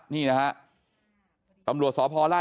นี่นะคะตำรวจสภอล